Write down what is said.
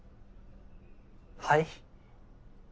はい？